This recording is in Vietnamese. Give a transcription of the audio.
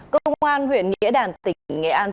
cơ quan huyện nghĩa đàn tỉnh nghĩa an